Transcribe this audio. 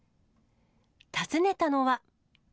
訪ねたのは。